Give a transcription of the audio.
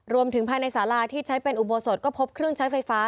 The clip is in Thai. รวมถึงภายในสาราที่ใช้เป็นอุโบสถก็พบเครื่องใช้ไฟฟ้า